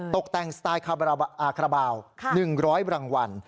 ตกแต่งสไตล์คาราบาล๑๐๐รางวัล